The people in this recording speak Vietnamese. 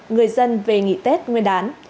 người dân về nghỉ tết nguyên đán